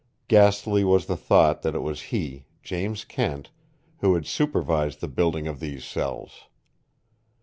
Ghastly was the thought that it was he, James Kent, who had supervised the building of these cells!